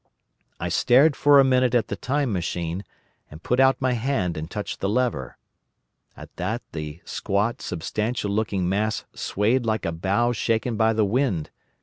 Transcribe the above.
I stared for a minute at the Time Machine and put out my hand and touched the lever. At that the squat substantial looking mass swayed like a bough shaken by the wind.